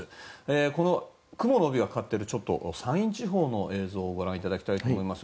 この雲の帯がかかっている山陰地方の映像をご覧いただきたいと思います。